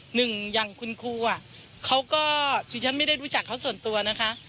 หนึ่งอย่างคุณครูอ่ะเขาก็พี่ฉันไม่ได้รู้จักเขาส่วนตัวนะฮะ